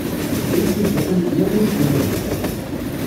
Imsujji atan ed tmuḍint niḍen.